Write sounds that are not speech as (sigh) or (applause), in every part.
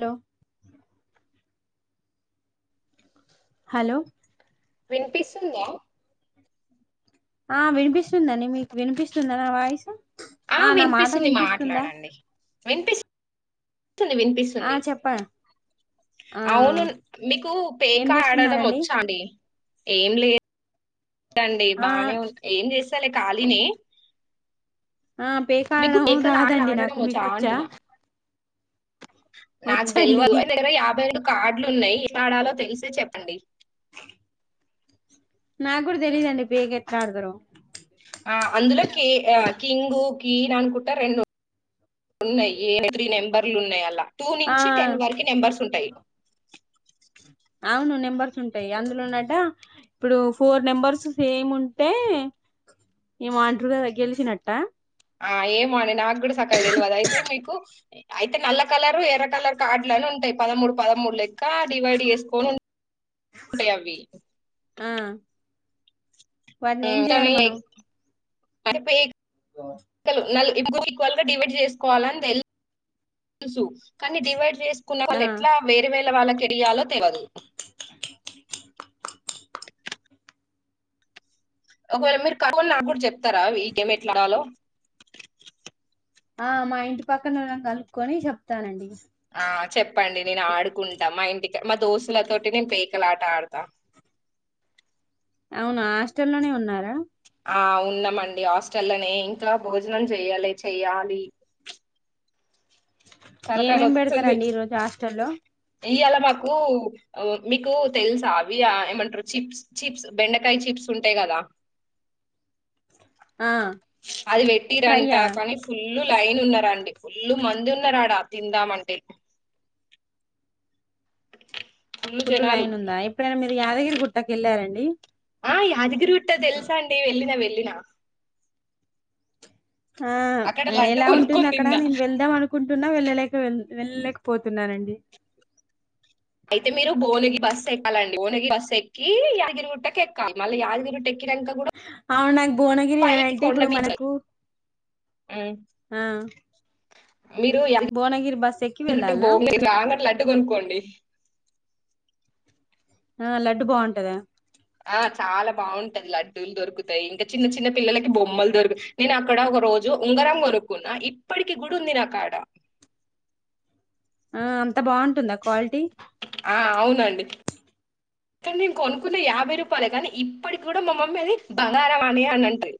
Hello hello వినిపిస్తుందా ఆ వినిపిస్తుందండి మీకు వినిపిస్తుందా నా వాయిసు ఆ వినిపిస్తుంది మాట్లాడండి వెన్పిస్ పిస్తుంది ఆ వినిపిస్తుంది చెప్ప ఆ అవును మీకు ఏం పేకా ఆడడం చేస్తున్నారండి వచ్చాండి ఏం లే రండి ఆ బానే ఏం చేస్త సరె కాలినే ఆ పేకాడడం రాదండి ఆడడం నాకు వచ్చా మీకొచ్చా నాగ్ వచ్చండి తెల్వదు అయితే కార్డులు ఉన్నాయి ఎట్ల ఆడాలో తెలిస్తె చెప్పండి. నాకు కూడా తెలీదండి పేక ఎట్లా ఆడతారో కింగు కీను అనుకుంట రెండు ఉన్నాయ్ ఏ (unintelligible) నెంబర్ (unintelligible) ఉన్నాయి అలా టూ ఆ నుంచి టెన్ వరకు నెంబర్స్ ఉంటాయి. అవును నెంబర్స్ ఉంటాయి అందులోన్నట ఇప్పుడు ఫోర్ నెంబర్స్ సేమ్ ఉంటే ఏమో అంట్రుగా గెలిచినట్ట ఆ ఏమె అండి నాక్ కూడ సక్కగ తెల్వదు అయితే మీకు అయితే నల్ల కలరు ఎర్ర కలర్ కార్డ్లని ఉంటాయి పదమూడు పదమూడు లే క్కా డివైడ్ చెసుకొని ఉన్ ఉంటయవ్వి. ఆ వాటిని ఏం చేయాలే మనం కలిపై ముక్కలు నలుగురి ఈక్వల్ గా డివైడ్ చేసుకోవాలని తెలుసు కానీ డివైడ్ చేసుకున్న ఆ వాళ్ళ ఎట్లా వేర్ వేళ వాళ్ళకి తెలియాలో తెల్వదు ఒకవేళ మీరు కనుకొని నాకు కూడా చెప్తారా ఈ గేం ఎట్లాడాలో ఆ మా ఇంటి పక్కనోళ్లని కనుక్కొని చెప్తానండి. ఆ చెప్పండి నేను ఆడుకుంటా మా ఇంటికి మా దోస్తులతోటి నేను పేకలాట ఆడతా అవునా హాస్టల్లోనే ఉన్నారా ఆ ఉన్నామండి హాస్టల్లనే ఇంకా భోజనం చేయ్యలే చెయ్యాలి. తలకాయ ఏమేమి నొత్తుంది. పెడతారండి ఈ రోజు హాస్టల్లో ఈయ్యలా మాకు ఓ మీకు తెలుసా అవి ఆ ఏమంటారు చిప్స్ చిప్స్ బెండకాయ చిప్స్ ఉంటాయి కదా ఆ అది పెట్టిరంటా ఫ్రైయా కానీ ఫుల్ లైన్ ఉన్నార అండి ఫుల్లు మంది ఉన్నారట్ ట తిందామంటే ఫుల్ ఫుల్లు జనాలు లైన్ ఉందా ఎప్పుడైనా మీరు యాదగిరి గుట్ ట్టకేళ్ళారండి. ఆ యాదగిరి గుట్ట తెలుసండి వెళ్లిన వెళ్లిన ఆ అక్కడ లడ్డు ఎలా ఉంటుంది కొనుక్కొని అక్కడ తిన్నా నేను వెళ్దాం అనుకుంటున్నా వెళ్ళలేక వెల్ వెళ్ళలేక పోతున్నానండి. అయితే మీరు భోనగి బస్సు ఎక్కాలండి భోనగి బస్సు ఎక్కి యాదగిరిగుట్టకేక్కాలి మళ్ళీ యాదగిరిగుట్ట ఎక్కినంక కూడా అవున బోనగిరి అని పైకి అంటే కొండ ఇప్పుడు మీద మనకు ఉమ్, ఆ మీరు భువనగిరి బస్ ఎక్కి యాదగిరిగుట్ట వెళ్ళాలనా పొంగనే లడ్డు కొనుక్కోండి ఆ లడ్డు బాగుంటదా ఆ చాలా బాగుంటది లడ్డూ దొరుకు టాయి ఇంకా చిన్న చిన్న పిల్లలకి బో బోమ్మల్ దొరుకు నేను అక్కడ ఒక రోజు ఉంగరం కొనుక్కున్నా. ఇప్పటికి కూడ ఉంది. నాకాడ ఆ అంత బాగుంటుందా క్వాలిటీ. ఆ అవునండి కానీ నేను కొనుక్కుంది. యాభై రూపాయలే కానీ ఇప్పటికి కూడా మా మమ్మీ అది బంగారమే అని అంటది.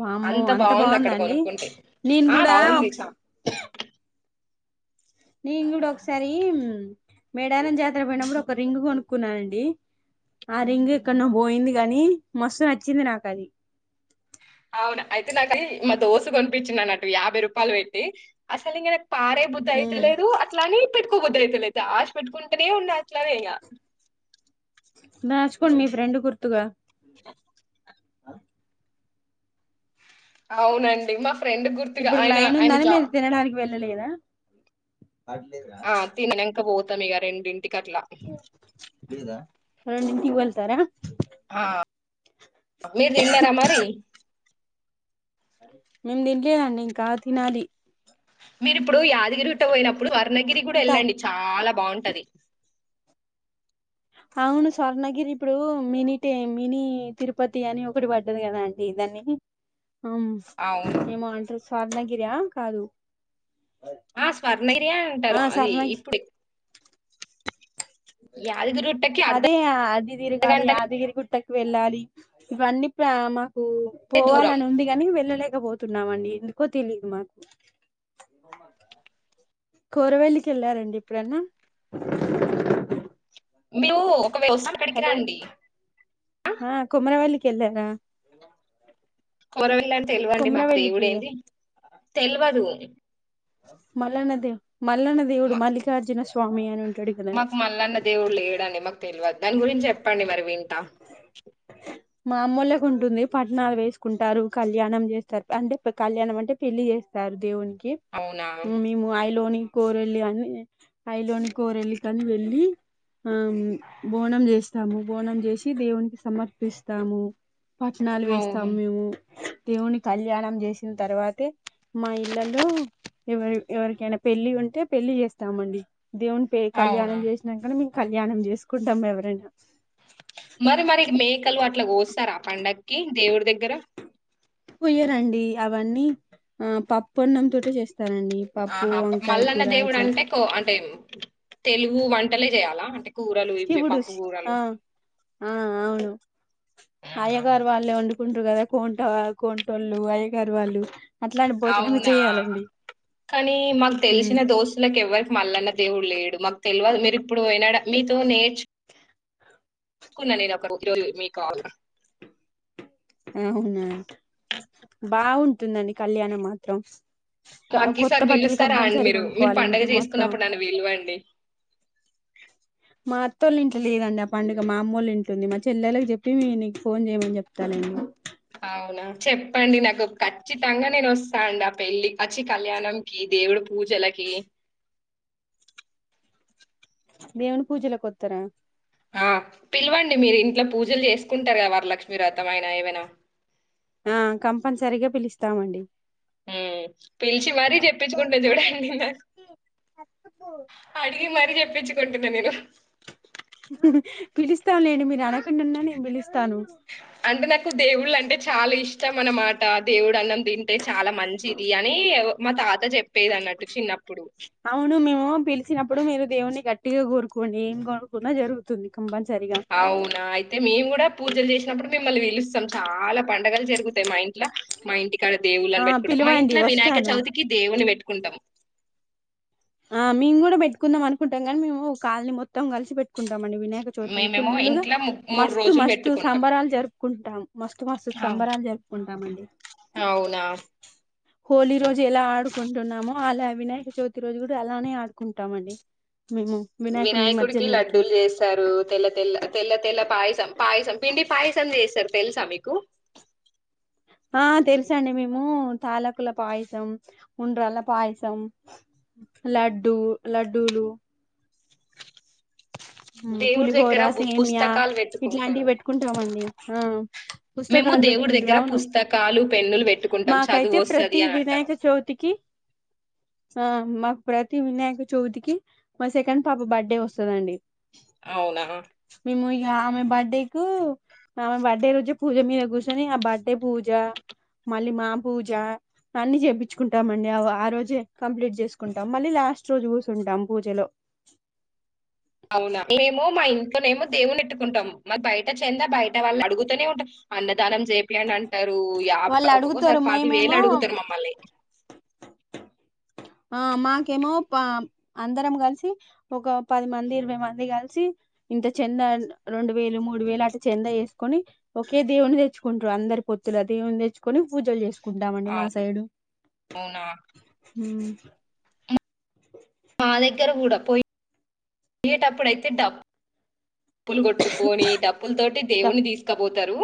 వామ్మో అంత బావుంది అక్కడ బాగుందండి కొనుక్కుంటే. నేను ఆ కూడా బావుంది చా ఒకసా నేను కూడా ఒకసారి మేడారం జాతర పోయినప్పుడు, ఒక రింగ్ కొనుక్కున్నానండి. ఆ రింగ్ ఎక్కన్నో పోయింది. కాని మస్తు నచ్చింది నాకు అది. అవునా అయితే నాక అది మా దోస్తు కొనిపించిన్నట్టు యాభై రూపాయలు పెట్టి అసలు ఇంక నాక్ పారేబుద్ధి అయితలేదు. అట్లా అని పెట్టుకోబుద్ధి అయితలేదు. దాసి పెట్టుకుంటూనే ఉన్నా అట్లనే ఇంగ దాచుకోండి మీ ఫ్రెండ్ గుర్తుగా. స (inaudible) ఆ అవునండి మా ఫ్రెండ్ గుర్తుగా ఇప్పుడు ఆయన లైన్ ఆయన ఉందని జా మీరు తినడానికి వెల్ లేదా పడ్లేదరా ఇకపోతలే ఇగ రెండింటికి గట్లా రెండింటికి వెళ్తారా మీరు తిన్నారా మరి మేము తిన్లేదండి ఇంకా తినాలి. మీరిఇప్ ఇప్పుడు యాదగిరి గుట్ట పోయినప్పుడు స్వర్ణగిరి కూడా ఎంత వెళ్ళండి చాలా బాగుంటది. అవును స్వర్ణగిరి ఇప్పుడు మినీ టే మినీ తిరుపతి అని ఒకటి పడ్డది కదా అండి దాన్ని ఆమ్ అవును ఏమంటరు స్వర్ణగిరియా కాదు ఆ స్వర్ణగిరియే ఆ అంటరు అది స్వర్ణగి ఇప్పుడే యాదగిరిగుట్టకి అర్ధ అది దీర్గాళి గంటనే అదిగిరి గుట్ట వెళ్ళాలి ఇవన్నీ ప్రేమ దూరం పోవాలని ఉంది గాని వెళ్ళలేకపోతు తున్నామండి ఎందుకో తెలిదు మాకు కోరవెల్లికి వెళ్ళారండి ఎప్పుడన్నా మీరు ఒక వ్యవసాయం కడికి హలో రండి ఆ కిందనా కొరోళ్ళని తెలివండి మాకు దేవుడేంది తెలువదు మల్లనదే మల్లన దేవుడు మల్లికార్జున స్వామి అని ఉంటడు కదా మాకు మల్లన్న దేవుడు లేడండి మాకు తెలవదు దాని గురించి చెప్పండి మరి (inaudible) మా అమ్మోళ్ళకి ఉంటుంది పట్నాలు వేసుకుంటారు కళ్యాణం చేస్తారు అంటే పె కళ్యాణం అంటే పెళ్లి చేస్తారు దేవునికి ఇప్ అవునా మేము ఆయిలోని కోరెళ్ళి అని అయిలోని కోరేళ్లి కని వెళ్ళి ఆ బోనం చేస్తాము బోనం చేసి దేవునికి ఇస్ సమర్పిస్తాము పట్నాలు అవును. వేస్తాం మేము దేవుని కళ్యాణం చేసిన తర్వాతే మా ఇళ్లలో ఎవరి ఎవరికైనా పెళ్లి ఉంటే పెళ్లి చేస్తామండి దేవుని పే అవునా కళ్యాణం చేసినకనే కళ్యాణం చేసుకుంటాం ఎవరైనా అసలు అట్లా కోస్తరా పండకి దేవుడి దగ్గర కొయ్యరండి అవన్నీ ఆ పప్పన్నం తోటే చేస్ ఆహా మల్లన్న దేవుడు ఇట్లా అంటే కో అంటే తెలుగు వంటలే చేయాలా అంటే కూరలు ఇవి శివుడు పప్పు ష్ ఆ కూరలు ఆ అవును ఆహా అయ్యగారు వాళ్ళే వండుకుంట్రూ కదా కోంట కోంటోళ్ళు అయగారు వాళ్ళు అట్లాంటి భోజనమే చేయాలండి కనీ మాకు ఉమ్ తెలిసిన దోసులకు ఎవ్వరికి మల్లన్న దేవు లేడు మాకు తెల్వదు మీరు ఇప్పుడు పోయినాడా మీతో నేర్చ్ కున్నా నేను ఒక (unintelligible) రోజు మీ కాల్ ల బాగుంటుందని కళ్యాణం మాత్రం క మాకు కొత్త ఈసారి బట్టలు పీలుస్తారా అండి కంపల్సరీ మీరు మీరు కొనుక్కోవాలి పండగ ఇంటి మొత్తం చేసుకున్నప్పుడు అన్న విలువండి అత్తోలింట్ల లేదండి ఆ పండుగ మామ్మోలింట్లుంది మా చెల్లలకు చెప్పి మీ నీకు ఫోన్ చేయమని చెప్తా లెండి అవునా చెప్పండి నాకు ఖచ్చితంగా నేను వస్తాను అండి ఆ పెళ్ళి కచ్చి కళ్యాణంకి దేవుడు పూజలకి దేవుని పూజలకొతరా ఆ పిలవండి మీరు ఇంట్లో పూజలు చేసుకుంటారు కదా వరల క్ష్మీవ్రతమయినా ఏవైనా ఆ కంపల్సరీగా పిలుస్తామండి ఊ పిలిచి మరీ చెప్పించుకుంట నేన్ చూడండి నా అడిగి మరీ చెప్పించుకుంటున్న నేను పిలిస్తాం లేండి మీరు అడగకుండ ఉన్నా నేను పిలుస్తాను అంటే నాకు దేవుళ్ళ అంటే చాలా ఇష్టం అనమాట దేవుడు అన్నం తింటే చాలా మంచిది అని ఏవో మా తాత చెప్పేది అన్నట్టు చిన్నప్ అవును మేవూ పిలిచినప్పుడు మీరు దేవుని గట్టిగా కోరుకోని ఏం కోరుకున జరుగుతుంది కంపల్సరీగా అవునా అయితే మేము గూడా పూజలు చేసినప్పుడు మిమ్మల్ని విలుస్తం చాలా పండగలు జరుగుతయి మా ఇంట్లో మా ఇంటికి ఇక్కడ ఆ దేవుళ్ళని పెట్టుకుంటాం మా పిలవండి ఇంట్లో వినాయక వస్తాను చవితికి దేవుని పెట్టుకుంటాం ఆ మేము గూడ పెట్టుకుందాం అనుకుంటాం కానీ మేము కాల్ని మొత్తం కలిసి పెట్ం కుంటామండి వినాయక చవితికి మేమేమో ఫుల్గా ఇంట్ల ము మస్తు రోజులు మస్తు బెట్టుకుంటాం. సంబరాలు జరుపుకుంటాం మస్తు మస్తు అవును. సంబరాలు జరుపుకుంటామండి అవునా! హోలీ రోజు ఎలా ఆడుకుంటున్నాము అలా వినాయక చవితి రోజు కూడా అలానే ఆడుకుంటామండి మేము వినాయకుడి వినాయకుడికి నిమజ్జనానికి లడ్డూలు చేస్తారు తెల్ల తెల్ల తెల్ల తెల్ల పాయసం పాయసం పిండి పాయసం చేస్తరు తెలుసా మీకు ఆ తెలుసండి మేము తాలకుల పాయసం ఉండ్రాల్ల పాయసం లడ్డూ లడ్డూలు మ్ దేవుడి పులిహోర దగ్గర బు సేమ్య పుస్తకాలు ఇట్లాంటివి పెట్టుకుంటారు పెట్టుకుంటామండి ఆ మేము పుస్తకాలు దేవుడి పెట్టుకుంట్రు దగ్గర అవును పుస్తకాలు పెన్నులు పెట్టుకుంటాం చదువు మాకైతే వస్తది ప్రతి అని అంటారు వినాయక చవితికి ఆ మాకు ప్రతి వినాయక చవితికి మా సెకండ్ పాప బర్త్డే ఒస్తదండి అవునా ఆమె బర్డే కు ఆమె బర్డే రోజు పూజ మీద కూర్చొని ఆ బర్త్డే పూజ మళ్ళీ మా పూజ అన్నీ చేపించుకుంటామండి ఆ రోజే కంప్లీట్ చేసుకుంటాం మళ్ళీ లాస్ట్ రోజు కూర్చుంటాం పూజలో అవునా మేమో మా ఇంట్లోనేమో దేవునిట్టుకుంటం మరి బయట చెందా బయట వాళ్ళు అడుగుతూనే ఉంటారు అన్నదానం చేపియండి అంట రూ యా వాళ్ళు అడుగుతారు ఒక్కొక్కసారి పది వేలు మేమేమో అడుగుతరు మమ్మల్ని ఆ మాకేమో బ అందరం కలిసి ఒక పది మంది ఇరవై మంది కలిసి ఇంత చెంద రెండు వేలు మూడు వేలు అటు చెంద వేసుకొని ఒకే దేవుని తెచ్చుకుంటారు అందరి పొత్తుల దేవుని తెచ్చుకొని పూజలు చేసుకుంట టామండి మా సైడు అవునా మాదే తేరా కూడా పోయి. వెళ్లేటప్పుడు అయితే డప్ డప్పులు కొట్టుకొని డప్పుల తోటి దేవుని రప్- తీసుకపోతు. ఉంటారు.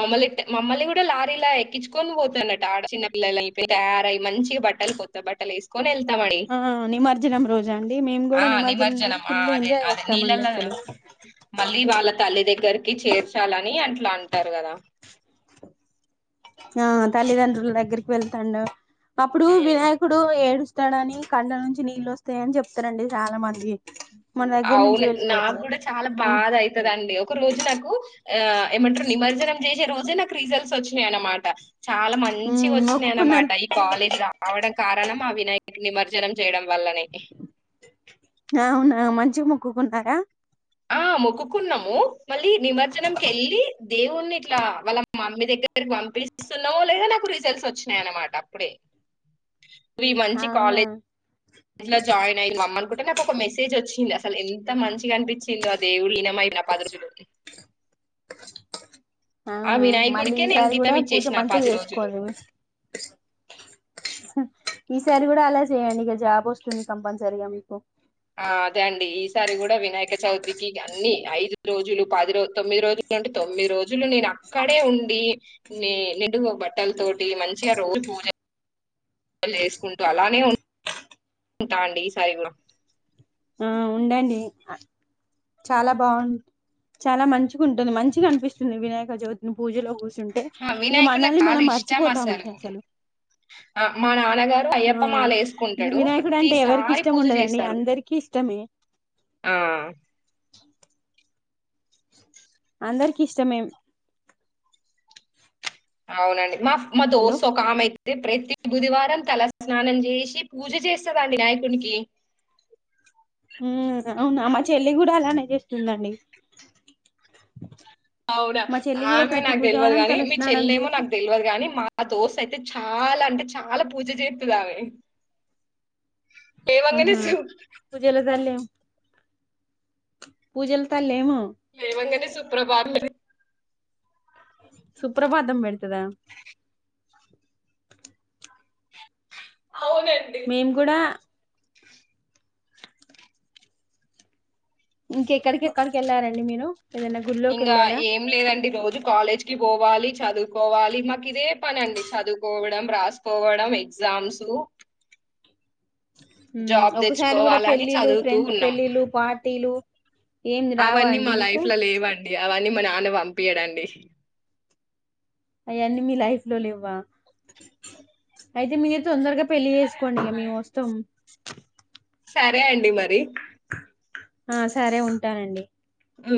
మమ్ల్ మమ్మల్ని గు లారీలా ఎకిచ్చుకొ పోతుందట. ఆడ చిన్న పిల్లలు అయితే తయారై మంచిగ బట్టలు కొత్త బట్టలు ఏసుకొని వెళ్ళు. ఆ నిమజ్జనం రోజు అండి. మేము గూడా నిమజ్జనం రోజు ఆ ఫుల్ అదే ఎంజాయ్ అదే చేస్తామండి నీలల్ల అసలు మళ్ళీ వాళ్ళ తల్లి దగ్గరికి చేర్చాలని. నే అట్లా అంటారు. కదా ఆ తల్లిదండ్రుల దగ్గరికి వెళ్తున్నా అప్పుడు ఉమ్, వినాయకుడు ఏడుస్ తడని కళ్ళు నుంచి నీళ్ళు వస్తాయని చెప్తారండి. చాలా మంది. మన దగ్గర నుంచి అవును నాకు వెళ్ళిపోకుండా కూడా చాలా ఉమ్ బాధ అయితదండి. ఒక రోజు నాకు ఆ ఏమంటారు. నిమజ్జనం చేసే రోజే నాకు రీజల్ట్స్ వచ్చినాయి. అన్నమాట చాలా మంచి ఉమ్ వచ్చినాయి. అన్నమాట మొక్కుకున్నారు ఈ కాలేజ్ రావడం కారణం మా వినాయకుడు నిమర్జనం చేయడం వల్లనే అవునా మంచిగ మొక్కుకున్నారా ఆ! మొక్కుకున్నాము. దేవుణ్ణి ఇట్లా వాళ్ళ మమ్మీ దగ్గరకి పంపిస్తున్నావో లేదా నాకు రిజల్ట్స్ వచ్చినాయ అన్నమాట అప్పుడే. వీ మంచి అవునా కాలేజ్ మెసేజ్ వచ్చిందా అస్ అసలు ఎంత మంచిగా అనిపించిందో ఆ దేవుడు. (unintelligible) ఆ అవునా మళ్ళీ వినాయకుడికే ఈసారి కూడా అంకితం పూజ ఇచ్చేసినా ఆ మంచిగా పది రోజులు చేసుకోండి మీ- ఈసారి కూడా అలా చేయండి. ఇక జాబ్ వస్తుంది. కంపల్సరిగా మీకు. ఆ అదే అండి ఈసారి కూడా వినాయక చవితికి అన్ని ఐదు రోజులు పది రోజు తొమ్మిది రోజులు నుండి తొమ్మిది రోజులు నేను అక్కడే ఉండి నే నిండుగు బట్టల తోటి మంచిగా రోజు పూజ ఏసుకుంటూ అలానే ఉ ఉంటా అండి ఈసారి కూడా ఆ ఉండండి చాలా బాగు చాలా మంచిగా ఉంటుంది మంచిగా అనిపిస్తుంది వినాయక చవితిని పూజలో కూర్చ ే ఆ ఇ వినాయకుడు నాకు మనల్ని మనం చాలా ఇష్టం మర్చిపోతామండి అసలు ఆ మా నాన్నగారు అయ్యప్ప మాల వేసుకుంటాడు వినాయకుడు అంటే ఎవరికి ప్రతిసారి ఇష్టం పూజ ఉండదండి చేస్తారు అందరికి ని ఆ అందరికి ఇష్టమేం అవునండి మా మ దోస్త్ ఒకామె ఐతే తే ప్రతి బుధవారం తల స్నానం చేసి పూజ చేస్తదండి వినాయకునికి హ్మ్మ్ అవునా మా చెల్లి కూడా అలానే చేస్తుందండి అవునా మా చెల్లి కూడా ఆమె ప్రతి నాకు తెలియదు భుజానం కాగానీ మీ తలస్నానం చెల్లెమో చేసి నాకు తెలియదు కాని మా ఆ దోస్త్ అయితే చాలా అంటే చాలా పూజ జేత్తది అమే హాహా పూజల తల్లి పూజల తల్లి ఏమో లేవంగానే సుప్రభాతం క సుప్రభాతం పెడతదా అవునండి మేం కూడా ఇంక ఎక్కడికి ఎక్కడికి వెళ్లార ఇంకా ఏం లేదండి రోజు కాలేజ్ కి పోవాలి చదువుకోవాలి మాకు ఇదే పని అండి చదువుకోవడం రాసుకోవడం ఎగ్జామ్స్ సు ఉ ఒకసారి కూడా తెచ్చుకోవాలని పెళ్లిళ్లు చదువుతూ ఫ్రెండ్స్ ఉన్నాం పెళ్లిళ్లు పార్టీలు ఏం రావా అవన్నీ అండి మా మీకు లైఫ్ లో లేవండి అవన్నీ మా నాన్న పంపియ్యడు అండి అవన్నీ మీ లైఫ్ లేవా అయితే మీర తొందరగా పెళ్లి చేసుకోండి మేము వస్తాం సరే అండి మరి ఆ సరే ఉంటానండి హు